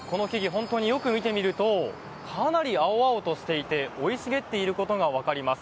本当によく見てみるとかなり青々としていて生い茂っていることがわかります。